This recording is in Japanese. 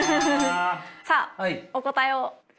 さあお答えを。